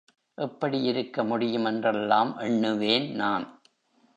எப்படி இருக்க முடியும் என்றெல்லாம் எண்ணுவேன் நான்.